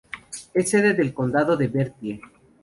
Es sede del condado de Bertie.